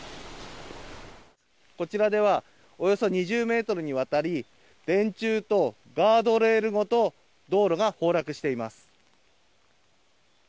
こちらではおよそ２０ｍにわたり電柱とガードレールごと道路が崩落しています。